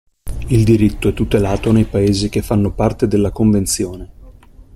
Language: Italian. Il diritto è tutelato nei paesi che fanno parte della convenzione.